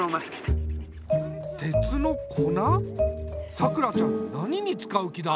さくらちゃん何に使う気だ？